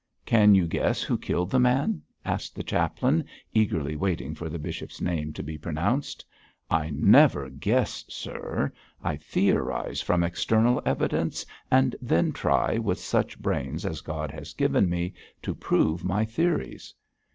'Can you guess who killed the man?' asked the chaplain, eagerly waiting for the bishop's name to be pronounced. 'I never guess, sir. I theorise from external evidence, and then try, with such brains as God has given me, to prove my theories.'